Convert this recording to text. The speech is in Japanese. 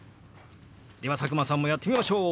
では佐久間さんもやってみましょう！